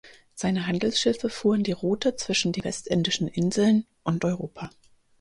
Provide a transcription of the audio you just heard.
Seine Handelsschiffe fuhren die Route zwischen den Westindischen Inseln und Europa.